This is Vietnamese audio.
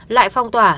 lại phong tỏa